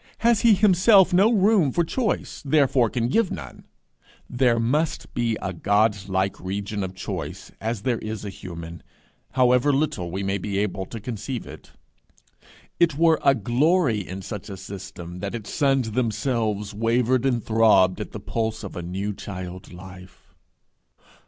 Has he himself no room for choice therefore can give none? There must be a Godlike region of choice as there is a human, however little we may be able to conceive it. It were a glory in such system that its suns themselves wavered and throbbed at the pulse of a new child life.